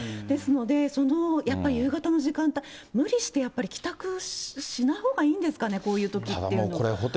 ですのでそのやっぱり夕方の時間帯、無理してやっぱり帰宅しないほうがいいんですかね、こういうときっていうのは。